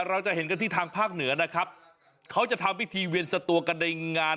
เราจะเห็นกันที่ทางภาคเหนือนะครับเขาจะทำพิธีเวียนสตัวกันในงาน